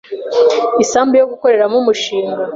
isambu yo gukoreramo umushinga